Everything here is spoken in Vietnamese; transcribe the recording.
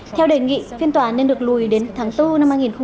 theo đề nghị phiên tòa nên được lùi đến tháng bốn năm hai nghìn hai mươi